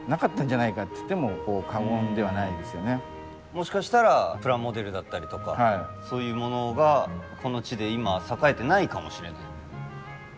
もしかしたらプラモデルだったりとかそういうものがこの地で今栄えてないかもしれない。